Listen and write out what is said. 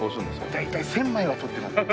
大体１０００枚は撮ってますね。